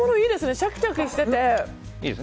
シャキシャキしてて。